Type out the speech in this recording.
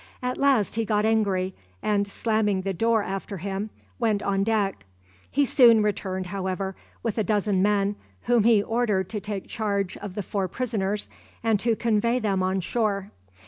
At last he got angry, and, slamming the door after him, went on deck. He soon returned, however, with a dozen men, whom he ordered to take charge of the four prisoners and to convey them on shore.